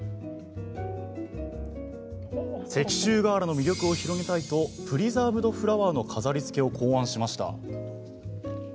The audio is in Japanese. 石州瓦の魅力を広げたいとプリザーブドフラワーの飾りつけを考案しました。